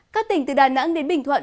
các tỉnh từ đà nẵng đến bình thuận